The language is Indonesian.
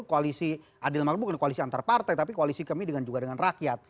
koalisi adil makmur bukan koalisi antar partai tapi koalisi kami juga dengan rakyat